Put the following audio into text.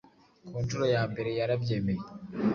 Ku nshuro ya mbere yarabyemeye